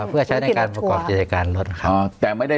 เพื่อใช้ในการประกอบกิจการรถเขา